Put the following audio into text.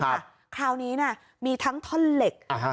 ครับคราวนี้น่ะมีทั้งท่อเหล็กอ๋อครับ